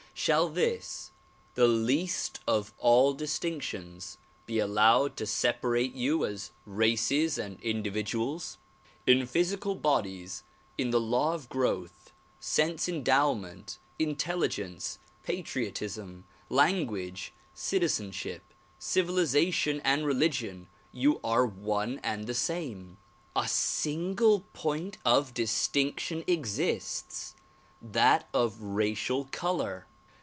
Shall this, the least of all distinctions be allowed to separate you as races and individuals? In physical bodies, in the law of growth, sense endowment, intelligence, patriot ism, language, citizenship, civilization and religion you are one and the same. A single point of distinction exists; that of racial color.